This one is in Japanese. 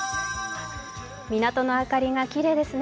港の明かりがきれいですね。